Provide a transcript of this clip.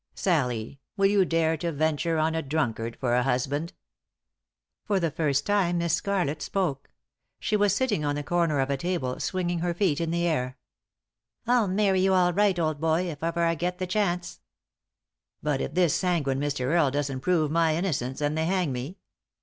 Sallie, will you dare to venture on a drunkard for a husband 7 " For the first time Miss Scarlett spoke. She was sitting on the comer of a table, swinging her feet in the air. •5° ;«y?e.c.V GOOglC THE INTERRUPTED KISS " I'll many you all right, old boy, if I ever get the chance." " But if this sanguine Mr. Earle doesn't prove my innocence, and they hang me